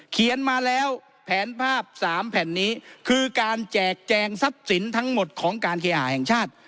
เขียนมาแล้วแผนภาพสามแผ่นนี้คือการแจกแจงทรัพย์สินทั้งหมดของการเคหาแห่งชาติ